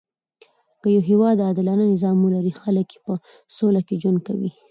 که يو هیواد عادلانه نظام ولري؛ خلک ئې په سوله کښي ژوند کوي.